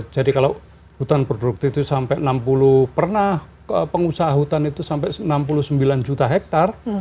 jadi kalau hutan produksi itu sampai enam puluh pernah pengusaha hutan itu sampai enam puluh sembilan juta hektare